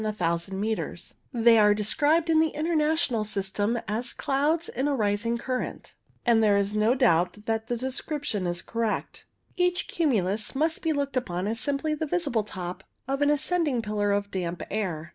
CUMULUS 85 They are described in the International system as "clouds in a rising current," and there is no doubt the description is correct. Each cumulus must be looked upon as simply the visible top of an ascending pillar of damp air.